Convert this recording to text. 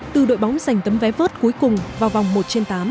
từ đội bóng dành tấm vé vớt cuối cùng vào vòng một trên tám